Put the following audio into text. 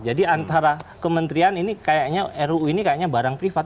jadi antara kementerian ini kayaknya ruu ini kayaknya barang privat